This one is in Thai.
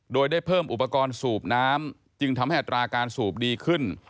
โดยได้เพิ่มอุปกรณ์สูบน้ำจึงทำให้อัตราการสูบดีขึ้น